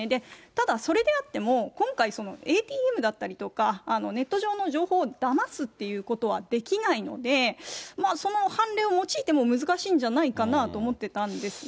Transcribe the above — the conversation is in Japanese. ただ、それであっても、今回、そのＡＴＭだったりとか、ネット上の情報をだますっていうことはできないので、その判例を用いても難しいんじゃないかなと思ってたんですが。